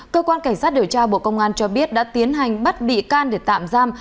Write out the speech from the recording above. cơ quan cảnh sát điều tra bộ công an cho biết đã tiến hành bắt bị can để tạm giam